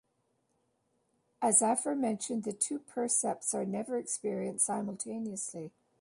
As aforementioned the two percepts are never experienced simultaneously.